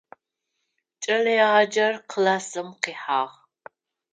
Кӏэлэегъаджэр классым къихьагъ.